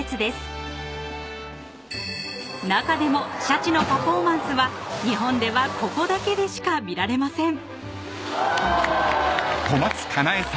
［中でもシャチのパフォーマンスは日本ではここだけでしか見られません］